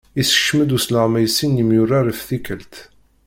Issekcem-d usleɣmay sin n yemyurar ef tikelt.